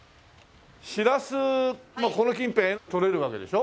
しらすもこの近辺とれるわけでしょ？